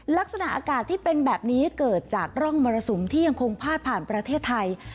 ลักษณะอากาศที่เป็นแบบนี้เกิดจากร่องมรสุมที่ยังคงพาดผ่านประเทศไทย